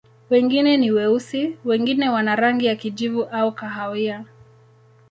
Wengine ni weusi, wengine wana rangi ya kijivu au kahawia.